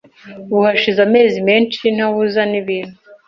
Ubu hashize amezi menshi ntahuza nibintu.